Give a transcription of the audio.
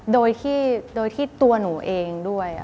โดยที่ตัวหนูเองด้วย